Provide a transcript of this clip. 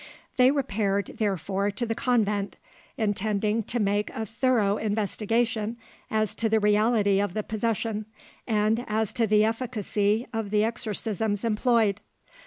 They repaired, therefore, to the convent, intending to make a thorough investigation as to the reality of the possession and as to the efficacy of the exorcisms employed.